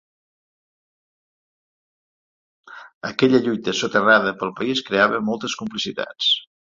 Aquella lluita soterrada pel país creava moltes complicitats.